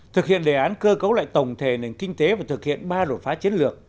thực hiện đề án cơ cấu lại tổng thể nền kinh tế và thực hiện ba đột phá chiến lược